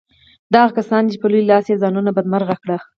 دا هغه کسان دي چې په لوی لاس یې ځانونه بدمرغه کړي